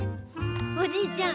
おじいちゃん